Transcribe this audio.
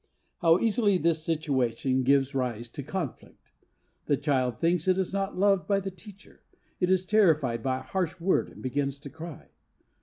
How easily this situation gives rise to conflict! The child thinks it is not loved by the teacher, it is terrified by a harsh word and begins to cry.